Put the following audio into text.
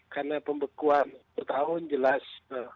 karena pembekuan bertahun jelas